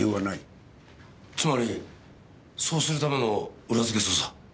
つまりそうするための裏づけ捜査。